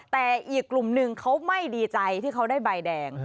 แต่อีกกลุ่มหนึ่งเขาไม่ดีใจที่เขาได้ใบแดง